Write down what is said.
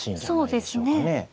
そうですね。